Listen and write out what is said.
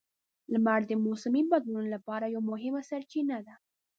لمر د موسمي بدلونونو لپاره یوه مهمه سرچینه ده.